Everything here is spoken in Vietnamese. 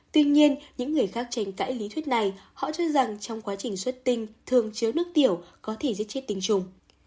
tuy nhiên những người khác tranh cãi lý thuyết này họ cho rằng trong quá trình xuất tinh thường chứa nước tiểu có thể giết chết tinh trùng